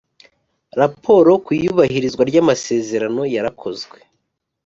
Raporo ku iyubahirizwa ry’amasezerano yarakozwe